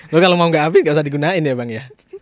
lo kalo mau gak abis gak usah digunain ya bang ya